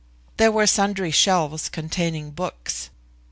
There were sundry shelves containing books.